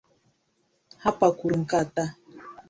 Harper kwuru nke a taa